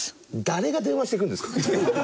誰が電話してくるんですか？